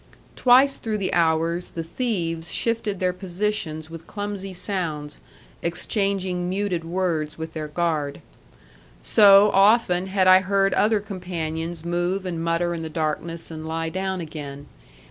Twice through the hours the thieves shifted their positions with clumsy sounds, exchanging muted words with their guard. So, often, had I heard other companions move and mutter in the darkness and lie down again.